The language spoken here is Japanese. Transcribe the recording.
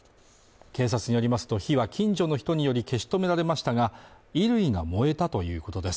警察によりますと火は近所の人により消し止められましたが衣類が燃えたということです